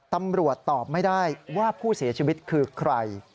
ตำรวจตอบไม่ได้ว่าผู้เสียชีวิตคือใคร